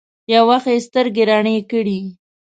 يو وخت يې سترګې رڼې کړې.